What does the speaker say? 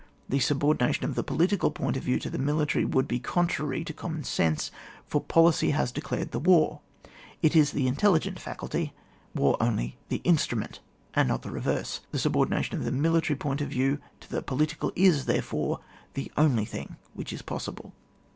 The subordination of the political point of view to the military would be contrary to common sense, for policy has declared the war ; it is the intelligent faculty, war only the instrument, and not the reverse. The subordination of the military point of view to the political is, therefore, the only thing which is possible.